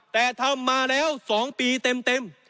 แต่ทำมาแล้ว๒ปีเต็ม